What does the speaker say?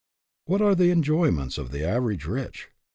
What are the enjoyments of the average rich?